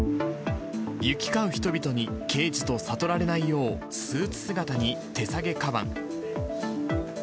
行き交う人々に刑事と悟られないよう、スーツ姿に手提げかばん。